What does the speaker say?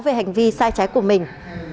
về hành vi sai trái của mình